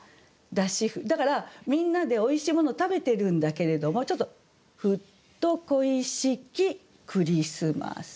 だからみんなでおいしいもの食べてるんだけれどもちょっと「ふっと恋しきクリスマス」。